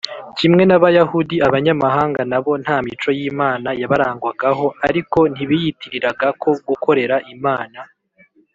kimwe n’abayahudi, abanyamahanga na bo nta mico y’imana yabarangwagaho, ariko ntibiyitiriraga ko gukorera imana